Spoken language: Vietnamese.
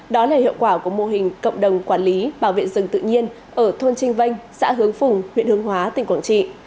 đó là hiệu quả của mô hình cộng đồng quản lý bảo vệ rừng tự nhiên ở thôn trinh vanh xã hướng phùng huyện hướng hóa tỉnh quảng trị